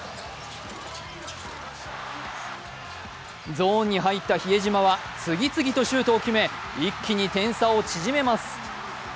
ゾーンに入った比江島は次々とシュートを決め一気に点差を縮めます。